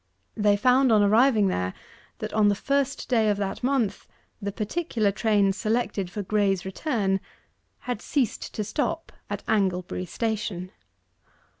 They found, on arriving there, that on the first day of that month the particular train selected for Graye's return had ceased to stop at Anglebury station.